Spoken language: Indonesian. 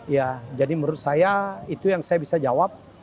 ya jadi menurut saya itu yang saya bisa jawab